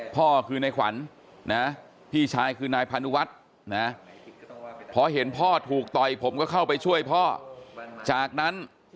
พ่อคือในขวัญนะพี่ชายคือนายพานุวัฒน์นะพอเห็นพ่อถูกต่อยผมก็เข้าไปช่วยพ่อจากนั้น